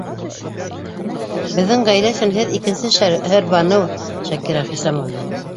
Беҙҙең ғаилә өсөн һеҙ - икенсе Шәһәрбаныу, Шакира Хисамовна!